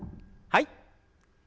はい。